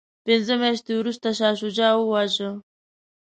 پنځه میاشتې وروسته شاه شجاع وواژه.